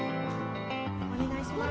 お願いします。